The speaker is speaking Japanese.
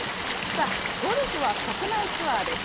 さあゴルフは国内ツアーです。